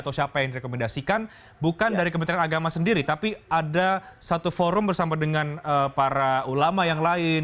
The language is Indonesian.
atau siapa yang direkomendasikan bukan dari kementerian agama sendiri tapi ada satu forum bersama dengan para ulama yang lain